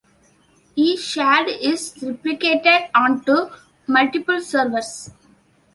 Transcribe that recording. Each shard is replicated onto multiple servers.